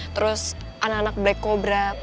terus anak anak black kobra